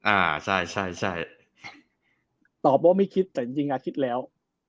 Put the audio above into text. อ่าใช่ใช่ใช่ตอบว่าไม่คิดแต่จริงคิดแล้ว